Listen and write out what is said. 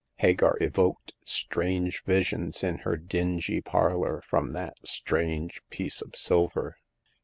Hagar evoked strange visions in her dingy parlor from that strange piece of silver.